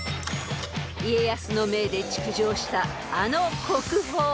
［家康の命で築城したあの国宝］